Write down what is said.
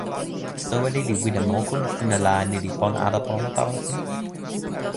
soweli li wile moku e sina la ni li pona ala pona tawa sina?